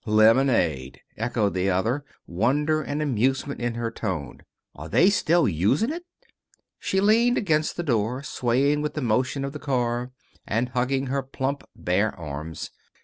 "Lemonade!" echoed the other, wonder and amusement in her tone. "Are they still usin' it?" She leaned against the door, swaying with the motion of the car, and hugging her plump, bare arms.